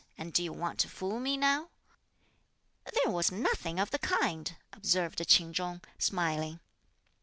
and do you want to fool me now ?" "There was nothing of the kind," observed Ch'in Chung smiling.